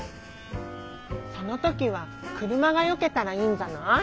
そのときはくるまがよけたらいいんじゃない？